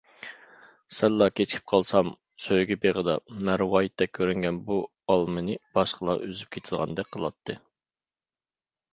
سەللا كېچىكىپ قالسام سۆيگۈ بېغىدا، مەرۋايىتتەك كۆرۈنگەن بۇ ئالمىنى باشقىلا ئۈزۈپ كېتىدىغاندەك قىلاتتى.